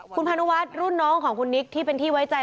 คุณพานุวัฒน์รุ่นน้องของคุณนิกที่เป็นที่ไว้ใจ